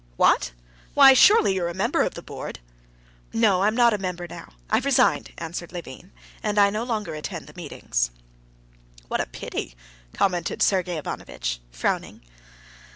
"What! Why, surely you're a member of the board?" "No, I'm not a member now; I've resigned," answered Levin, "and I no longer attend the meetings." "What a pity!" commented Sergey Ivanovitch, frowning.